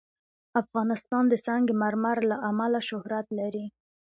افغانستان د سنگ مرمر له امله شهرت لري.